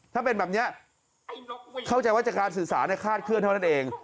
ถ้าเป็นแบบนี้เข้าใจว่าจะการสื่อสารคาดเคลื่อนเท่านั้นเอง